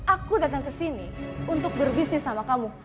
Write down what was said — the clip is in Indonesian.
aku datang kesini untuk berbisnis sama kamu